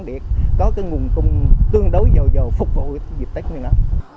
để có nguồn cung tương đối dầu dầu phục vụ dịch tích như đó